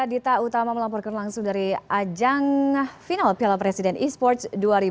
dita utama melaporkan langsung dari ajang final piala presiden e sports dua ribu dua puluh